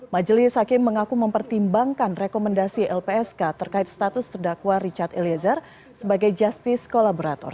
majelis hakim mengaku mempertimbangkan rekomendasi lpsk terkait status terdakwa richard eliezer sebagai justice kolaborator